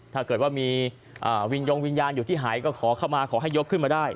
ถ้าเกิดว่ามีวิญญงวิญญาณอยู่ที่หายก็ขอเข้ามาขอให้ยกขึ้นมาได้